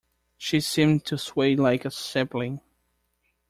She seemed to sway like a sapling.